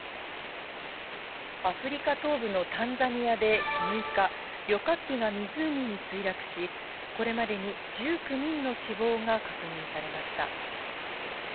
アフリカ東部のタンザニアで６日、旅客機が湖に墜落し、これまでに１９人の死亡が確認されました。